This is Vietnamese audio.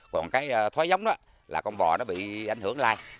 còn cái thói giống đó là con bò nó bị ảnh hưởng lại